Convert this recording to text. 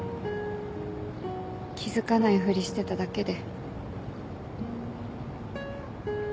気付かないふりしてただけで。